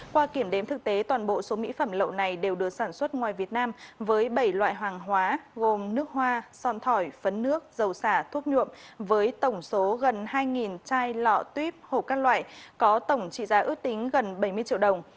qua kiểm đếm thực tế toàn bộ số mỹ phẩm lậu này đều được sản xuất ngoài việt nam với bảy loại hàng hóa gồm nước hoa som thỏi phấn nước dầu xả thuốc nhuộm với tổng số gần hai chai lọ tuyếp hộp các loại có tổng trị giá ước tính gần bảy mươi triệu đồng